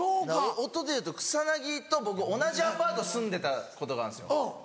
音でいうと草薙と僕同じアパート住んでたことがあるんですよ。